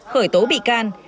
khởi tố bị can